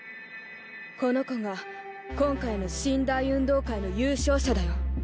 この子が今回の神・大運動会の優勝者だよ。